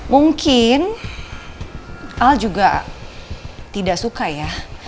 mungkin al juga tidak suka ya